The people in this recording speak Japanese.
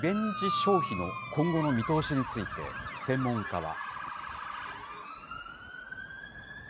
消費の今後の見通しについて、専門家は。